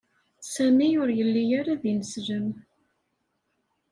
Sami ur yelli ara d ineslem.